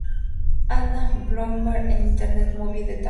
Anna Blomberg en Internet Movie Database.